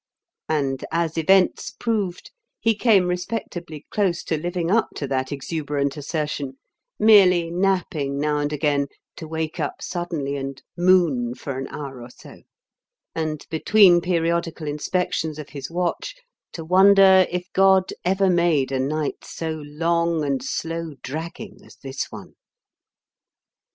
And as events proved he came respectably close to living up to that exuberant assertion merely napping now and again, to wake up suddenly and "moon" for an hour or so; and, between periodical inspections of his watch, to wonder if God ever made a night so long and slow dragging as this one.